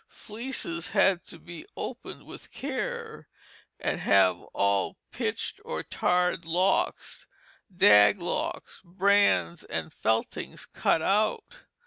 Fleeces had to be opened with care, and have all pitched or tarred locks, dag locks, brands, and feltings cut out.